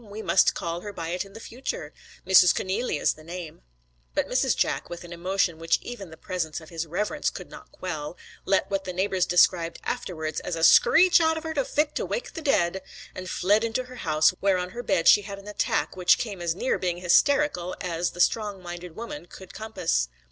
We must call her by it in future. Mrs. Conneely is the name.' But Mrs. Jack, with an emotion which even the presence of his Reverence could not quell, let what the neighbours described afterwards as a 'screech out of her fit to wake the dead,' and fled into her house, where on her bed she had an attack which came as near being hysterical as the strong minded woman could compass.